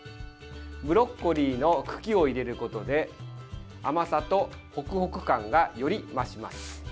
ブロッコリーの茎を入れることで甘さとホクホク感がより増します。